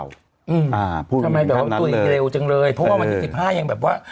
ทำไมตุ๋ยเร็วจังเลยเพราะว่าวันที่๑๕ยังแบบว่า